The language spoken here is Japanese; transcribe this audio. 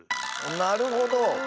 なるほど。